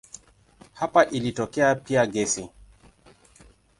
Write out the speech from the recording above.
Hapa ilitokea pia gesi.